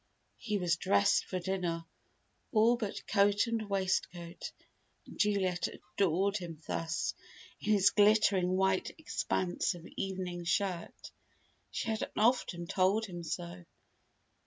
He was dressed for dinner, all but coat and waistcoat, and Juliet adored him thus, in his glittering white expanse of evening shirt. She had often told him so.